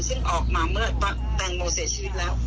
ซึ่งออกมาเมื่อแตงโมเสียชีวิตแล้ว